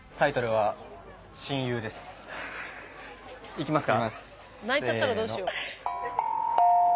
・いきますか。